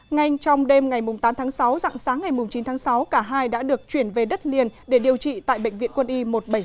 ngay trong đêm ngày tám tháng sáu dặn sáng ngày chín tháng sáu cả hai đã được chuyển về đất liền để điều trị tại bệnh viện quân y một trăm bảy mươi năm